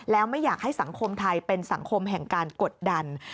แล้วไม่อยากให้สังคมไทยเป็นสังคมแห่งการกดดัน